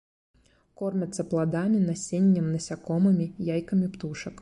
Кормяцца пладамі, насеннем, насякомымі, яйкамі птушак.